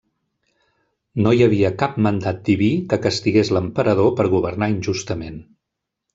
No hi havia cap mandat diví que castigués l'emperador per governar injustament.